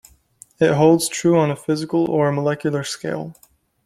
It holds true on a physical or molecular scale.